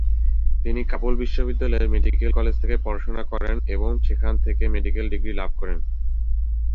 তিনি কাবুল বিশ্ববিদ্যালয়ের medical college থেকে পড়াশুনা করেন এবং সেখান থেকে মেডিকেল ডিগ্রী লাভ করেন।